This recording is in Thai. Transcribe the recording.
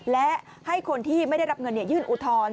และให้คนที่ไม่ได้รับเงินยื่นอุทธรณ์